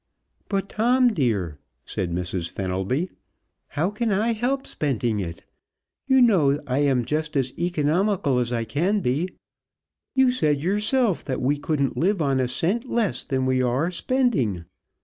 "But, Tom dear," said Mrs. Fenelby, "how can I help spending it? You know I am just as economical as I can be. You said yourself that we couldn't live on a cent less than we are spending.